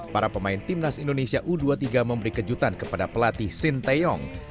para pemain timnas indonesia u dua puluh tiga memberi kejutan kepada pelatih sinteyong